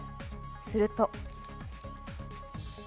すると。